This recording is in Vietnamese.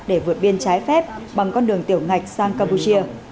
để vượt biên trái phép bằng con đường tiểu ngạch sang campuchia